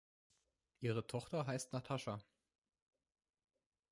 Ihre Tochter heißt Natascha.